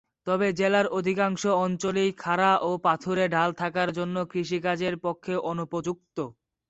তবে জেলার অধিকাংশ অঞ্চলেই খাড়া ও পাথুরে ঢাল থাকার জন্য কৃষিকাজের পক্ষে অনুপযুক্ত।